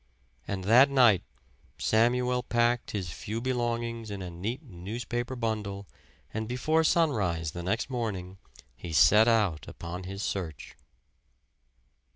And that night Samuel packed his few belongings in a neat newspaper bundle and before sunrise the next morning he set out upon his search.